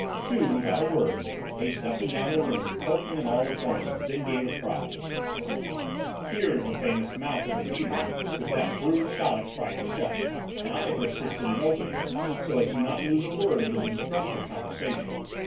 Juve, without a word, paced up and down the room, poking in all the corners, then gave a cry: "Here is the famous mouth of the heater which that brute Chaleck tried to shut, and I persisted in opening so as not to lose a word of his instructive conversation.